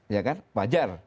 ya kan wajar